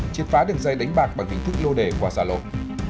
chiến phá đường dây đánh bạc bằng tính thức lô đề qua xa lộn